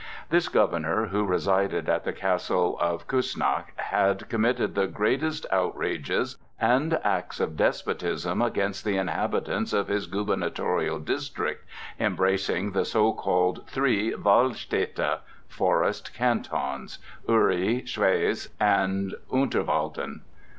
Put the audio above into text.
This governor, who resided at the castle of Kuessnacht, had committed the greatest outrages and acts of despotism against the inhabitants of his gubernatorial district, embracing the so called three Waldstädte (Forest Cantons),—Uri, Schwyz, and Unterwalden.